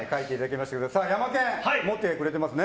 ヤマケン持ってくれてますね。